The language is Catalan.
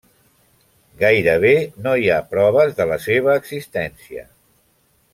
Gairebé no hi ha proves de la seva existència.